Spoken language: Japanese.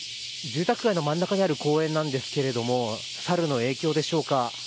住宅街の真ん中にある公園なんですけれどもサルの影響でしょうか。